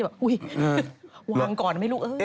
มือไม้แก่ง